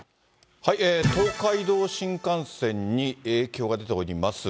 東海道新幹線に影響が出ております。